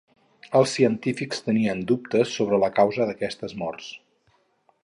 Els científics tenien dubtes sobre la causa d'aquestes morts.